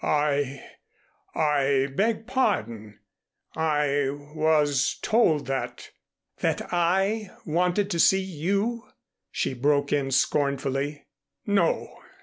"I I beg pardon. I was told that " "That I wanted to see you?" she broke in scornfully. "No.